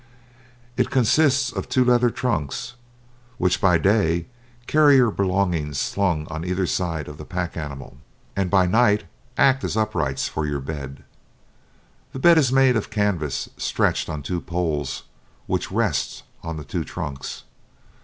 It consists of two leather trunks, which by day carry your belongings slung on either side of the pack animal, and by night act as uprights for your bed. The bed is made of canvas stretched on two poles which rest on the two trunks.